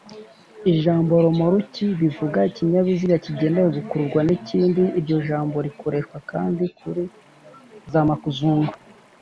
ijambo’’romoruki’’bivuga ikinyabiziga kigenewe gukururwa n’ikindi; iryo jambo rikoreshwa kandi kuri za makuzugu